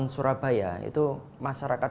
surabaya itu masyarakat